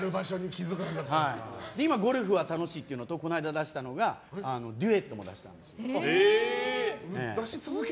今、「ゴルフは楽しい」というのとこの間出したのがデュエットを出したんです。